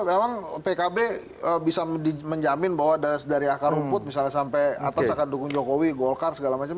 memang pkb bisa menjamin bahwa dari akar rumput misalnya sampai atas akan dukung jokowi golkar segala macam